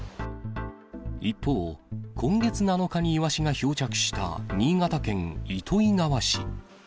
一方、今月７日にイワシが漂着した新潟県糸魚川市。